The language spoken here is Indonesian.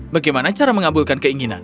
bagaimana cara mengabulkan keinginan